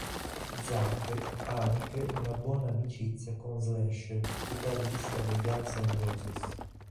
Zakk ha anche una buona amicizia con Slash, chitarrista dei Guns N' Roses.